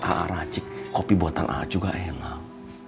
aak racik kopi buatan aak juga enak